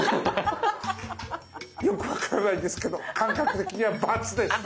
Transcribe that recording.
よく分からないですけど感覚的にはバツです。